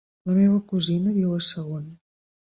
La meva cosina viu a Sagunt.